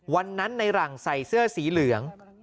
วันนั้นในหลังใส่เสื้อสีเหลือง